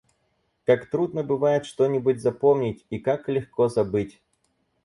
Как трудно бывает что-нибудь запомнить и как легко забыть!